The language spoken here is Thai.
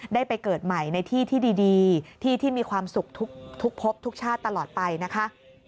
ได้ไปเกิดใหม่ในที่ที่ดีที่ที่มีความสุขทุกพบทุกชาติตลอดไปนะคะ